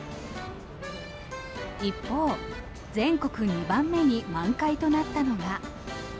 一方、全国２番目に満開となったのが。